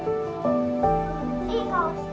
いい顔して。